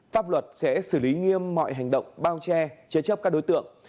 pháp luật sẽ xử lý nghiêm mọi hành động bao che chế chấp các đối tượng